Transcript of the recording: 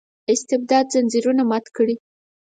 استبداد ځنځیرونه مات کړي.